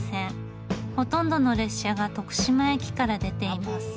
ほとんどの列車が徳島駅から出ています。